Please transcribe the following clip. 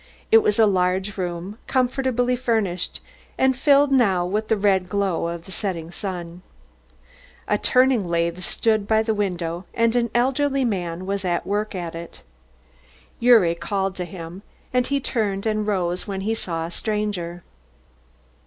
It was a large room, comfortably furnished and filled now with the red glow of the setting sun. A turning lathe stood by the window and an elderly man was at work at it. Gyuri called to him and he turned and rose when he saw a stranger.